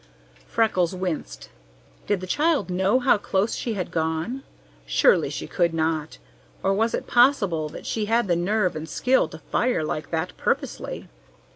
Freckles winced. Did the child know how close she had gone? Surely she could not! Or was it possible that she had the nerve and skill to fire like that purposely?